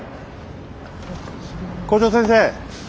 校長先生。